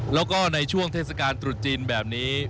แล้วก็ในช่วงเทศกาลตรุษจีนแบบนี้